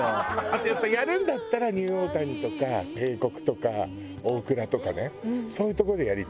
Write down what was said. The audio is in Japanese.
あとやっぱやるんだったらニューオータニとか帝国とかオークラとかねそういう所でやりたいじゃない？